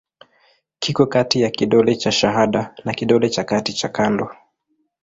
Kiko kati ya kidole cha shahada na kidole cha kati cha kando.